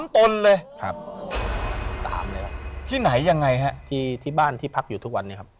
ตนเลยครับที่ไหนยังไงฮะที่ที่บ้านที่พักอยู่ทุกวันนี้ครับ